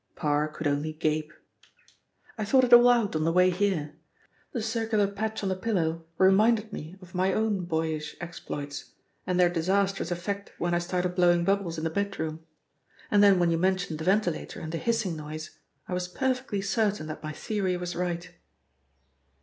Parr could only gape. "I thought it all out on the way here. The circular patch on the pillow reminded me of my own boyish exploits and their disastrous effect when I started blowing bubbles in the bedroom. And then when you mentioned the ventilator and the hissing noise, I was perfectly certain that my theory was right."